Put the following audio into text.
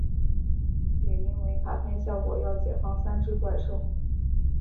也有因为卡片效果要解放三只怪兽。